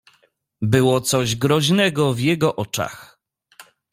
"Było coś groźnego w jego oczach."